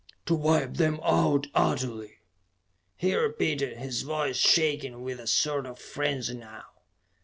"To wipe them out utterly!" he repeated, his voice shaking with a sort of frenzy now.